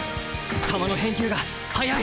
球の返球が早い。